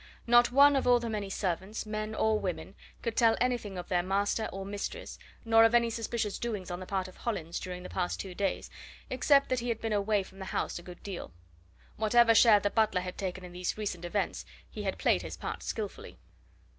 Not one of all the many servants, men or women, could tell anything of their master or mistress, nor of any suspicious doings on the part of Hollins during the past two days, except that he had been away from the house a good deal. Whatever share the butler had taken in these recent events, he had played his part skilfully.